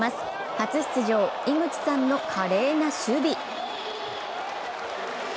初出場、井口さんの華麗な守備。